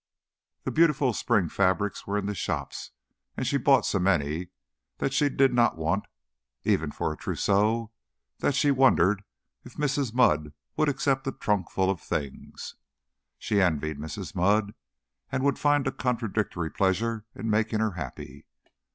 The beautiful spring fabrics were in the shops, and she bought so many things she did not want, even for a trousseau, that she wondered if Mrs. Mudd would accept a trunk full of "things." She envied Mrs. Mudd, and would find a contradictory pleasure in making her happy.